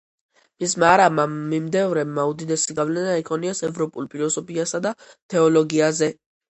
მისმა არაბმა მიმდევრებმა უდიდესი გავლენა იქონიეს ევროპულ ფილოსოფიასა და თეოლოგიაზე.